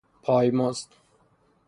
پای مزد